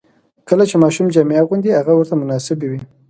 کله چې ماشوم جامې اغوندي، هغه ورته مناسبې وي.